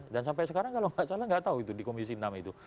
dan sampai sekarang kalau tidak salah tidak tahu itu di komisi enam itu